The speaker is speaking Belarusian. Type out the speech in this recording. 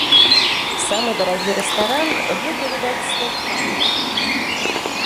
Самы дарагі рэстаран гэта, відаць, стэйк-хаус.